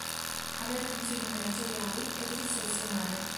Aveva funzioni manageriali e di risorse umane.